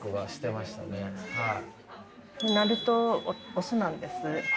なるとオスなんです。